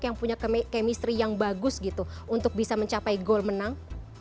yang punya chemistry yang bagus gitu untuk bisa mencapai gol menang